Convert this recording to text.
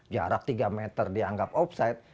jarak tiga meter dianggap offside